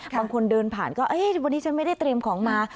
บางคนเดินผ่านก็เอ๊ะวันนี้ฉันไม่ได้เตรียมของมา